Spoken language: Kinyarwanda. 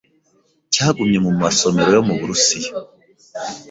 cyagumye mu masomero yo mu burusiya